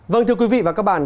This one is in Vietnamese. vâng thưa quý vị và các bạn